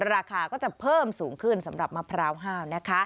ราคาก็จะเพิ่มสูงขึ้นสำหรับมะพร้าวห้าวนะคะ